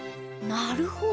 なるほど。